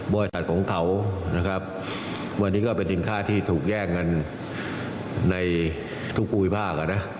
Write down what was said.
วันนี้ก็เป็นสินค้าที่ถูกแย่งกันในทุกอุยภาค